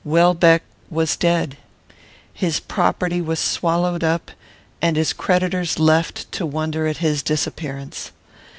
Welbeck was dead. His property was swallowed up, and his creditors left to wonder at his disappearance.